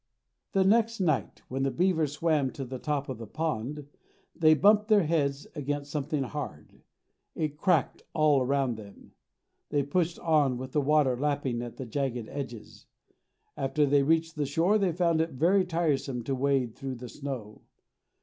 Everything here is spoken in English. The next night, when the beavers swam to the top of the pond, they bumped their heads against something hard. It cracked all around them. They pushed on, with the water lapping at the jagged edges. After they reached the shore they found it very tiresome to wade through the snow.